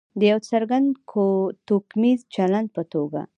د یو څرګند توکمیز چلند په توګه.